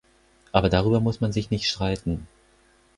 Aber darüber muss man sich nicht streiten.